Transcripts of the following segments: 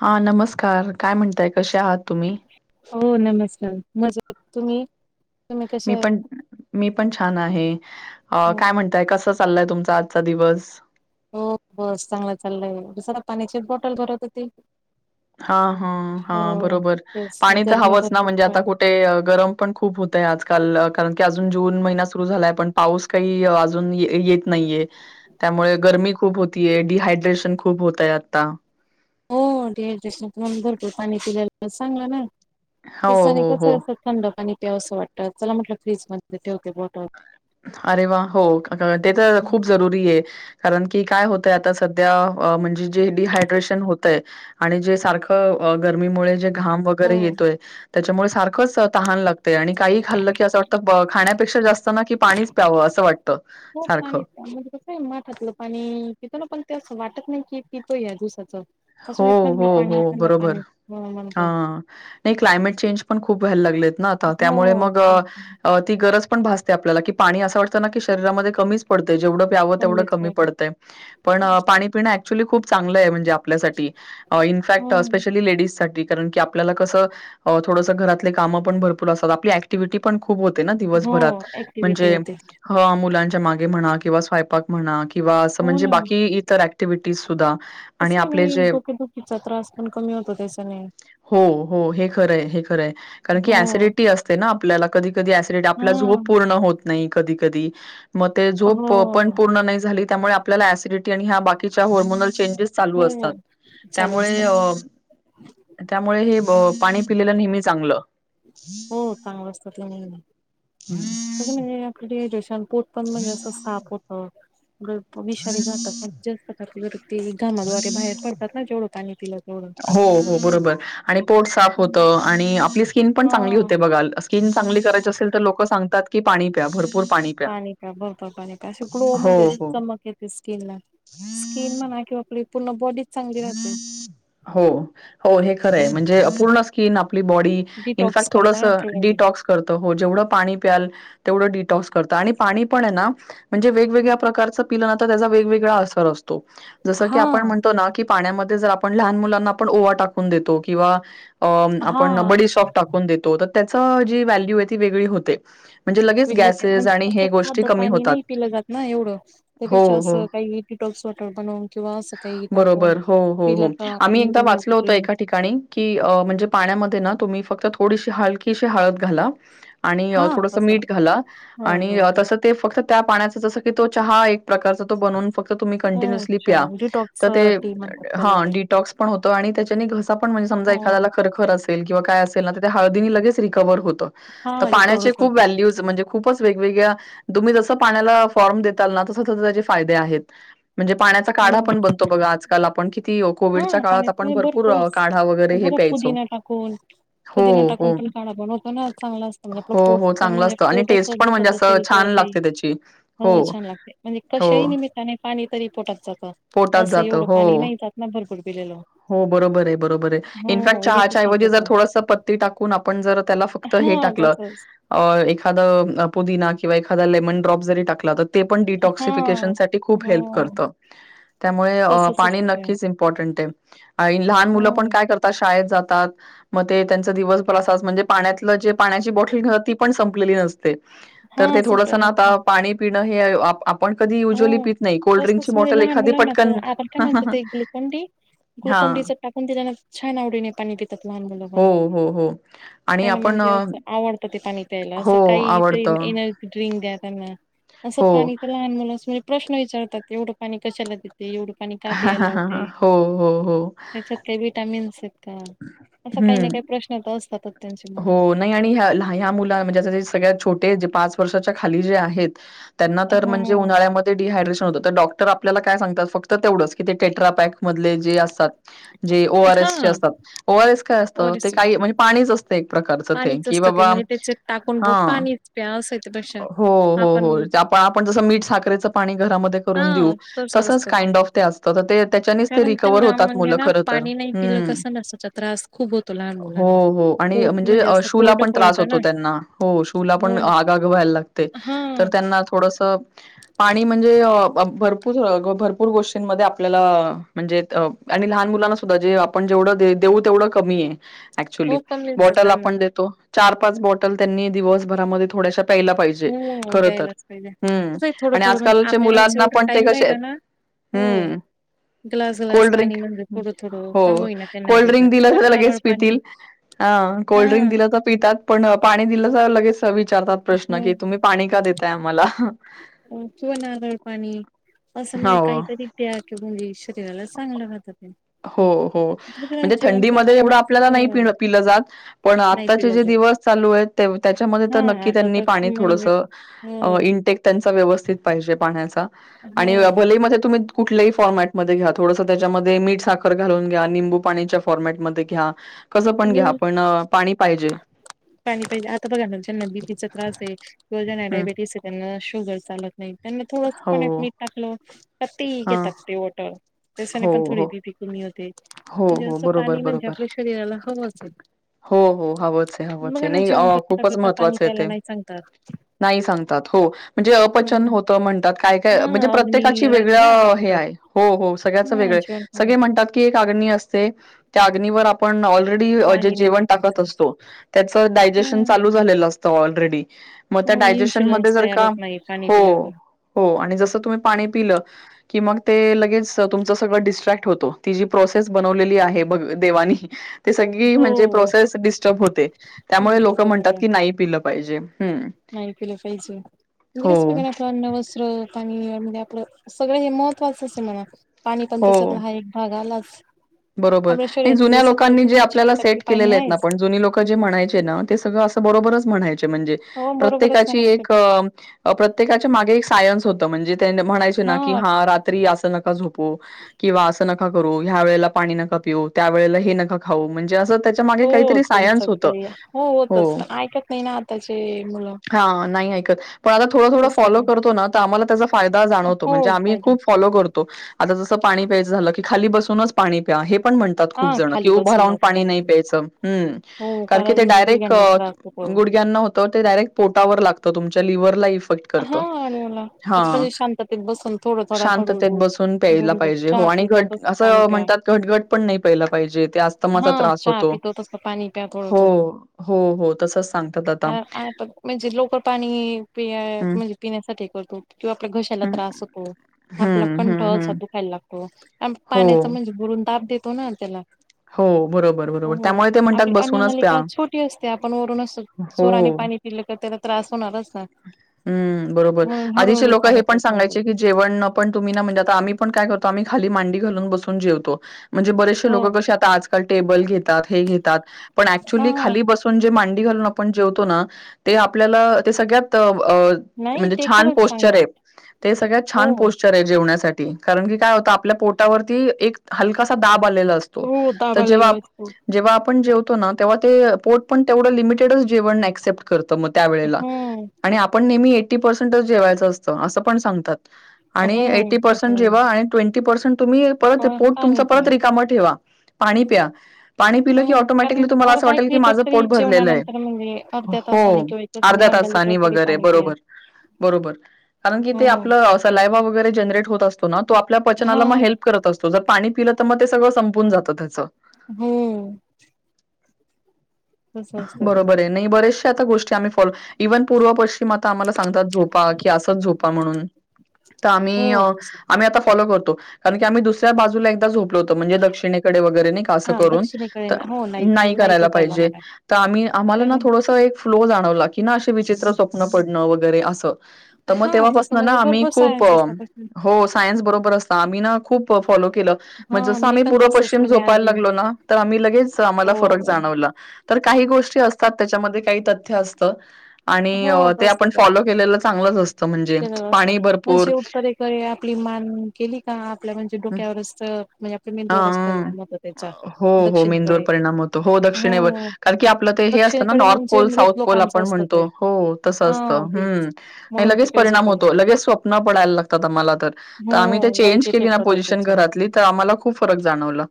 हा नमस्कार. काय म्हणताय कशे आहात तुम्ही? हो नमस्कार मजेत, तुम्ही? तुम्ही कसे मी आहेत? पण मी पण छान आहे. अ हो काय म्हणताय कस चाललाय तुमचा आजचा दिवस हो बस चांगलं चाललंयस पाण्याची बॉटल भरत होती हा हा हा हो. बरोबर तेच पाणी तर गरमी हवंच ना भरपूर म्हणजे आता पण कुठे गरम पण खूप होतय आजकाल कारण की अजून जून महिना सुरू झालाय पण पाऊस काही अजून येत नाहीये त्यामुळे गरमी खूप हो डिहायड्रेशन खूप होत आता हो शन तुम भरपूर पाणी पिलेला चांगलं ना हो, त्यासने हो, कस हो. असं थंड पाणी ते असं वाटत चला म्हटलं फ्रीज मध्ये ठेवते बॉटल अरे वा हो ते तर खूप जरुरी आहे कारण की काय होतय आता सध्या म्हणजे जे डहायड्रेशन होत आणि जे सारख गर्मीमुळेे घाम वगैरे हो. येतोय त्याच्यामुळे ला आणि काही खाल्लं की वा पेक्षा जास्त ना की पाणीच प्यावं असं वाटतं हो सारखं. पाणी म्हणजे कसं आहे, माठातलं पाणी पितो ना आपण ते असं वाटत नाही की पितो या दिवसाचं. असून हो हे थंड हो पाणी हो थंड बरोबर, पाणी हा म्हणतो नाही क्लायमेट चेंज पण खूप व्हायला लागलेत. ना आता हो त्यामुळे मग अच्छा. अ ती गरज पण भास ते आपल्याला की पाणी असं वाटतं ना की शरीरामध्ये कमीच पड त जेवढं प्यावं तेवढं कमीच कमी पाहिजे पडतंय, पण पाणी पिणं चुली खुप चांगलंय म्हणजे आ आपल्यासाठी इनफॅक्ट हो. स्पेशली लेडीजसाठी. कारण की आपल्याला कसं, बवा थोडसं घरातले कामं पण भरपूर असतात आपली एक्टिव्हिटी पण खूप होते ना हो दिवसभरात, ऍक्टिव्हटी म्हणजे होते ती. ह मुलांच्या माग म्हणा किवा स्वयंपाक म्हणा किंवा असं हो म्हणजे ना बाकी इतर एक् क्टिव्हिटीज सुद्धा आणि कसं आहे आपले नाही जे, डोकेदुखीचा त्रास पण कमी होतो त्याच्याने हो हो हे खरं हय, हे खरं हय कारण की, हो ऍसिडिटी असते ना आपल्याला कधी कधी ऍसिडिटी, हा आपला झोप पूर्ण होत नाही कधी कधी मग ते झोप हो पो पण, पूर्ण नाही झाली त्यामुळे आपल्याला ऍसिडिटी आणि ह्या बाकीच्या हॉर्मोनल चेंजेस चालू असतात. हो चालू त्यामुळे असतात अ ते. त्यामुळे हे ब पाणी पिलेलं नेहमी चांगलं. हो चांगलं असत, ते नेहमी अजून हे आपल ते पोट पण म्हणजे असं साप होत. [unintelligible] जास्त खाते बर का? पिलं तेवढं हो. हो बरोबर आणि पोट साफ होत आणि आपली स्किन पण चांगली हा होती बघाल आसली स्किन चांगली करायची असेल तर, लोक सांगतात की, पाणी प्या भरपुर पाणी प्या, भरपूर पाणी प्या, अशी ग्लो हो, म्हणजे अशी हो. चमक येते, स्किनला स्किन म्हणा किंवा आपली पूर्ण बॉडी हो हो हे खरं आहे म्हणजे अपूर्ण किनप आपली बॉडी डिटॉक्स इनफॅक्ट करत ना थोडसं आपली बॉडी डिटॉक्स करतं हो जेवढं पाणी प्याल तेवढं डिटॉक्स करत आणि पाणी पण आहे ना म्हणजे वेगळ्या प्रकारं पिल त्याचा वेग वेगळा असर असतो जस की हा आपण म्हणतो ना पाण्यामध्ये जर आपण लहान मुलांना आपण ओवा टाकून देतो किंवा अ हा आपण बडी तस सोप टाकून देतो त्याच जी व्हॅल्यू आहे ती वेगळी होते म्हणजे लगेच वेगळं ते गॅसेस म्हणजे आणि असं हे गोष्टी सादं कमी पाणी होतात नाही पिलं जात ना एवढं हो त्यापेक्षा हो असं काही डिटॉक्स वॉटर बनवून किंवा असं काही टाकून बरोबर. हो हो पिलं हो का आम्ही एनी एकदा वाचल एनर्जी होत ड्रिंक एका ठिकाणी की म्हणजे पाण्यामध्ये ना तुम्ही फक्त थोडीशी हलकीशी हळद घाला आणि हा थोडस तसं मीठ घाला बर आणि वाटल तसं ते फक्त त्या पाण्याचा जस की तो चहा एक प्रकार त बनून फक् तुम्ही हो कंटिन्यसली अच्छा प्या डिटॉक्स तर ते टी म्हणतात त्याला हा काही डिटॉक्स पण होतो आणि त्याच्याने घसा पण म्हणजे समजा हो एखाद्याला खर खर असेल किंवा काय असेल ना तर हळदीने लगेच रिकवर होतो हा त रिकवर पाण्याचे होत खूप व्हॅल्यूज म्हणजे खूपच वेगवेगळ्या तुम्ही जस पाण्याला फॉर्म देताल ना तस तस त्याचे फायदे आहेत. म्हणजे पाण्याचा काढा पण बनतो बघा आज. आपण कि हां पाणी पिऊन भरपूर काढा वगैरे हे बघा प्यायचो. पुदीना टाकून हो, पुदीना हो. टाकून पण काडा बनवतो ना चांगला असतो बघा हो, पोट हो पण चांगलं म्हणजे असतं आणि पोटच टेस्ट पण म्हणजे दुखत असं असेल किंवा छान काही लागते त्याची. हो छान लागते. म्हणजे हो. कशाही निमित्ताने पाणी [unintelligible] पोटात असं जातं. एवढं हो, पाणी नाही टा [unintelligible] हो बरोबर आहे बरोबर आहे हो इनफॅक्ट येत चहाच्या ऐवजी सगत जर थोडस पत्ती टाकून आपण जर त्या त्याला फक्त हा हे टाकलं तसच अ एखाद् अ पुदीना किवा एखादा लेमन ड्रॉप जरी टाकला त ते पण हा. डिटॉक्सिफिकेशन साठी खूप हेल्प हो करतं त्यामुळे अ तसच पाणी असतं ते नक्कीच इम्पॉर्टट आहे. आणि लहान मुलं पण हो काय करतात, शाळेत जात पितात, म ते त्यांच दिवसभराचाच म्हणजे पाण्यातल जे पाण्याची बाॅटल घेतात ती पण संप संपलेली अस हा तर ते संपले थोडसं ना नसते आता... पाणी पिणं हे हेय आप आप पण कधी युजअली हो. पीत नाही, तसच कोल्ड्रिंकची म्हणजे बॉटल लहान एखादी मुलांना पटकन हह ह ग्लुकाॅन डी च टाकून देऊ. [unintelligible] छान आवडीने पाणी पिती पीतात लहान मुलं हो, पण हो, हो. आणि त्यांना आपण म्हणजे अ, अस आवडतं. ते पाणी प्यायला, अस हो काही आवडतं. एनर्जी ड्रिंक द्या त्यांना असं हो. पाणी तर लहान मुलास म्हणजे प्रश्न विचारतात... एवढं पाणी कशाला पिता? ते एवढं पाणी का प्यायला लावतय? हो, हो, हो. त्याच्यात काही विटामिन्स एत [inaudible] हम्म [unintelligible] [unintelligible] हो मनात नाही आणि ह ह्या मुला म्हणजे अस सगळ्यात छोटे जे पाच [unintelligible] वर्षाच्या खाली जे आहेत त्यांना तर म्हणजे हो उन्हाळ्यामध्ये डिहायड्रेशन होतं. तर डॉक्टर आपल्याला काय सांगतात... फक्त तेवढंच की, ते टेट्रापॅक मधले जे असतात जे ओ आर एसचे हा असतात.. ओ आर एस काय असतं? ते ओरसची काय... बॉटल म्हणजे पाणीच असतं एक प्रकारचं ते... पाणीच कि असतं ते बाबा म्हणजे त्याचे टाकून ब हं... पाणीच प्या असं आहे त्यापेक्षा हो हो... आपण आपण जसं मीठ साखरेचं पाणी घरामध्ये करून हा तसं असतं ते कारण त्यांना म्हणजे ना पाणी नाही पिलं कसं नसाचा त्रास खूप होतो लहान मुलांना आणि पोट म्हणजे असं शूला कोरडं पण त्रास पडतं होतो ना त्यांना हो शूला पण हम्म. आगाग व्हायला लागते तर हां. त्यांना थोडस पाणी म्हणजे भरपूर भरपूर गोष्टींमध्ये आपल्याला म्हणजे आणि लहान मुलांना सुद्धा जे आपण जेवढं देऊ तेवढं कमी आहे हो अऍक्चुली कमीच आहे त्यांना पण. [unintelligible] चार पाच बॉटल त्यांनी दिवसभरामध्ये थोड्याशा प्यायला पाहिजे, हो खरं तर. द्यायलाच पाहिजे हं. तसं थोडं आणि थोडं म्हणजे आजकालच्या आपल्याला मुलांना जेवढ पण ते टाइम कसे राहिला आहेत ना हो हं. ग्लास ग्लास कोल्ड पाणी ड्रिंक म्हणजे थोडं थोडं हो का होईना त्यांना कोल्ड दच ड्रिंक व दिलं तर नारळ लगेच पाणी पितील. हा कोल्ड्रिंक हां. दिलं तर पितात पण पाणी दिलं तर लगेच विचारतात हो प्रश्न की तुम्ही पाणी का दताय आम्हाला किंवा नारळ पाणी, असं म हो काहीतरी तयार करून देऊ शकतो. शरीराला चांगलं राहतं. ते. हो हो, बघा म्हणजे जेवण थंडीमध्ये एवढं करतानाच आपल्याला हो नाही पलं पिल जात. पण नाही आताचे पिलं जे जात. दिवस चालू आहेत त्याच्यामध्ये तर हां नक्की आता त्यांनी तर पाणी थोडस म्हणजे हो इनटेक त्यांचा व्यवस स्थित पाहिजे पाण्याचा. आणि हो. भलेही मध्ये तुम्ही कुठल्याही फॉर्मॅटमध्ये घ्या थोडस त्याच्यामध्ये मीठ साखर घालून घ्या, निंबू पाणीच्या फॉरमॅटमध्ये घ्या. कसं पण घ्या पण पाणी पाहिजे पाणी पाहिजे आता बघा ना ज्यांना बीबीचा त्रास आहे किंवा ज्यांना हम्म डायबेटीस आहे त्यांना, शुगर चालत नाही. त्यांना थोडंच हो पण मीठ टाकलं तर तेही हा घेतात ते वॉटर. तशाने हो पण थोडी हो बी पी कमी ते हो म्हणजे हो असं बरोबर पाणी म्हणजे बरोबर आपल्या शरीराला हवंच आहे. हो हो, हवच पण हवच. बघा ना नाही जेवण करता खूपच करता पाणी महत्त्वाचं आहे प्यायला ते. नाही सांगतात. नाही सांगतात, हो. म्हणजे अपचन हम्म. होतं म्हणतात. काय हा काय म्हणजे अग्नी प्रत्येकाची राहते ना आपल्या वेगळं हे पोटात आहे. हो हो, सगळ्याचं हा वेगळये. जेवण करून सगळे म्हणतात अग्नी असते. ते. त्या अग्निवर आपण ऑल रेडी जे पाणी नाही जेवण टाकत टाकायचं. असतो, त्याच डायजेशन हम्म चालू झालेलं असतं ऑलरेडी. रेडी. मग त्या हो डायजेशन मध्ये इन्शुलन्स जर तयार का, होत नाही पाणी पिल्यावर हो हो, आणि जसं तुम्ही पाणी पिलं की मग ते लगेच, तुमचं सगळ डिसट्रॅक्ट होतो. ति जी प्रोसेस बनवलेली आहे बघ देवानी ते सगळी हो म्हणजे प्रोसेस डिस्टर्ब होते. त्यामुळे दुरुस्त लोक म्हणतात पद्धती की नाही पिल पाहिजे. हम्म नाही पिल पाहिजे. म्हणजे हो कस की नाय आपण अन्न वस्त्र पाणी म्हणजे आपलं सगळं हे महत्त्वाचंच आहे म्हणा. पाणी पण हो त्याच्यातला हा एक भाग आलाच. [inaudible] बरोबर. आपल्या नाही शरीरात जुन्या म्हणजे सत्तर लोकांनी ते जे ऐंशी आपल्याला टक्के सेट पाणी केलेले आहेत ना, आहेच. पण जुनी लोक जे म्हणायचे ना ते सगळं असं बरोबरच म्हणाय चे. म्हणजे हो बरोबरच प्रत्येकाची म्हणायचं एक ते. प्रत्येकाच्या मागे एक सायन्स होतं म्हणजे ते म्हणायचो ना की, हा रात्री असं नका झोपु किंवा असं नक नका करू या वेळेला पाणी नका पिऊ, त्यावेेळेला हे नका खाऊ म्हणजे असं त्याच्यामागे हो काहीतरी त्यांचं सायन्स होतं, काही होतच हो पण ऐकत नाही ना आताचे मुलं. हा नाही ऐकत पण आता थोडं थोडं तसं फॉलो ते करतो ना तर आम्हाला त्याचा फायदा जाणवतो हो म्हणजे आम्ही फायदा खूप फॉलो करतो. आता जसं पाणी प्यायचं झालं की, खाली बसूनच पाणी प्या हे पण म्हणतात हा खूप जण, कि खाली उभा राहून बसूनच काय पाणी नाही पण. प्यायचं, हम्म. हो कारण की ते डायरेक्ट गुडघ्यांना त्रास होतो. गुडग्यांना होतं ते डायरेक्ट पोटावर लागतं तुमच्या लिवर ला इफ हा आला मला, खूप म्हणजे शांततेत बसून थोडं थोडं शांततेत हळूहळू बसून प्यायला घोट घोट चहा पीतो तसं पाणी प्या. गट गट पण नाही प्यायला पाहिजे, ते हा अस्थमाचा त्रास चहा होतो, पितो तसं पाणी प्या थोडं हो थोडं. हो हो तसंच सांगतात आता. आ- आ- पण हं, म्हजे पिण्यासाठ ते करतो. किंवा आपल्या घशाला हं, त्रास होतो, आपला हं, कंठ हं, असा हं. दुखायला लागतो, पाण्याचा हो. म्हणजे बुरून दाब देतो कोणाला त्याला. हो बरोबर हो, बरोबर हो, त्यामुळे ते म्हणतात आपली बसूनच प्या अन्ननलिका छोटी असते, आपण वरूनच जोराने हो पाणी पिलं तर ते त्रास होणारच ना. हम् बरोबर म्हणून आधीचे हळूहळू लोक हे पाणी पण प्यायच म्हणतात. सांगायचे की जेवण पण तुम्ही ना म्हणजे आता आम्ही पण काय करतो आम्ही खाली मांडी घालून बसून जेवतो. म्हणजे बरेचसे हो लोक कसे आता, आजकाल टेबल घेतात, हे घेतात, पण हा ऍक्चुली हा खाली बसून जे मांन मांडी घालून आपण जेवतो ना, ते आपल्या ते सगळ्यात. त. नाही म्हणजे ते छान खरंच पोस्चर चांगलं आहे, ते सगळ्यात छान हो. पोस्चर आहे जेवण्यासाठी. कारण की काय होत आपल्या पोटावरती एक. हलकासा दाब आलेला असतो, हो तर दाबालेला असतो. जेव्हा-जेव्हा आपण जेवतो. तो ना, तेव्हा ते पोट पण तेवढं लिमिटेडच जेवण ऍक्सेप्ट करत. तर मग त्या वेळेला. हम्म आणि आपण नेहमी एटी-पर्सेंटच जेवायचं असतं असं पण सांगतात. आणि हो एटी-पर्सेंट जेवा आणि ट्वेंटी-पर्सेंट तुम्ही परत पोर्ट तुमच पाणी परत प्या. रिकाम ठेवा. पाणी प्या. पाणी पिलं की हम्म ऑटोमॅटिकली कारण तुम्हाला असं अर्धा एक वाटेल की लिटर माझं तरी पोट भरलेलं आहे. जेवणानंतर म्हणजे अर्ध्या तासाने हो किंवा एक तासाने अर्ध्या अर्धा लिटर तासानी तरी वगैरे पाणी पिया. बरोबर बरोबर. कारण की हो ते आपलं सलायवा वगैरे जनरेट होत असतो ना तो हा पलं तर मग ते सगळं संपून जात त्याच हो तसं असतं ते बरोबर आहे नाही बरेच गोष्टी आ् फॉलो इव्ह पूर्व पश्िम सात झो म्हण हो आम्ही तस आम आ फॉलो करत णीमही दुसऱ्या बाजूला झो म्हणजे दक्षिणेकडे वगैरे नाही का असं हा करून दक्षिणेकडे हो नाही करायला झोपायला पाहिजे म्हणाय तर आम्ही आम्हाला ना कारण थोडसं एक फ्लो जाणवला की ना असे विचित्र स्वप्न पडणं वगैरे असं तर मग हा तसं तेव्हापासन ना म्हणजे आम्ही भरपूर खूप सायन्स असतात तसे हो सायन्स बरोबर अस सामिना खूप फॉलो केलं म्हणजे हा जसं मी आम्ही पण तसच पूर्वपश्चिम म्हणजे जोपायला आधी लागलो ना तर आम्ही लगेच आम्हाला हो फरक जाणवला तर काही गोष्टी असतात त्याच्यामध्ये काही तथ्य असत आणि हो ते तसं आपण काय फॉलो केलेलं चांगलंच असत म्हणजे उत्तरेकडे आपली मान केली का आपल्या म्हणजे डोक्यावरच म्हणजे आपल्या मेंदूवरच हा परिणाम होतो त्याचा हो हो मेंदूवर दक्षिणेकडे परिणाम होतो हो दक्षिणेवर हो कारण की आपलं ते हे असतं ना दक्षिणेकडे नॉर्थ म्हणजे पोल साऊथ मृत पोल लोकांचं आपण असतं म्हणतो ते हो तस हा असतं तेच म्हणून तिकडे परिणाम झोपायला होतो. आम्ही. लगेच स्वप्न पडायला लागतात आम्हाला तर. हो तर आम्ही ते वाईट चेंज केली ना इफेक्ट होतात पोझिशन त्याचे घरातली तर आम्हाला खूप फरक जाणवल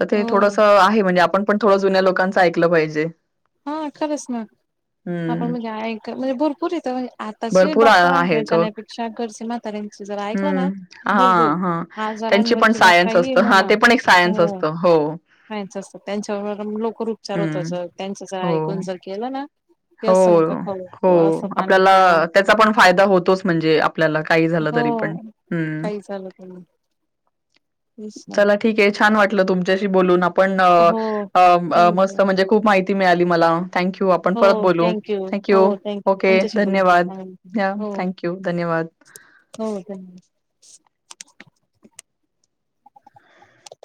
तर ते हो थोडसं आहे म्हणजे आपण प थोडं जुन्या लोकांच ऐकलं पाहिजे हा खरंच मग आपण हं. म्हणजे ऐक म्हणजे भरपूर यथं आताचे भरपूर आ डॉक्टरांकडे आहेत. हो. जाण्यापेक्षा गरसेी म्हाताऱ्यांचे जरा ऐकलं ना हं. भरपूर हां, हां. त्यांची आजारांवर पण किंवा सायन्स काही असतं. हां, ना ते पण एक सायन्स हो असतं. कायच असत त्यांच्यावर लोकर उपचार होत हं. ज हो. [unintelligible] हो असं नका खाऊ हो किंवा असं पाणी आपल्याला प्या त्याचा पण फायदा होतोच म्हणजे आपल्याला काही झालं हो तरी पण ह काही झालं तर मग तेच ना चला ठीक आहे छ वाटलं तुमच्याशी बोलून आप पण हो मस्त थँक्यू म्हणजे खूप माहिती माहिती मिळाली मला थँक्यू हो थँक यू हो थँक यू ओके. तुमच्याशी बोल धन्यवाद. या. हो हो थँक यू. धन्यवाद. ध्यवा